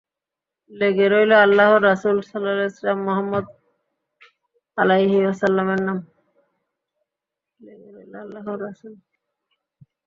লেগে রইল আল্লাহর রাসূল মুহাম্মাদ সাল্লাল্লাহু আলাইহি ওয়াসাল্লামের নাম।